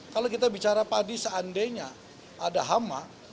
kalau kita bicara padi seandainya ada hama